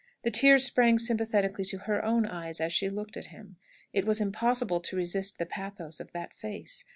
The tears sprang sympathetically to her own eyes as she looked at him. It was impossible to resist the pathos of that face.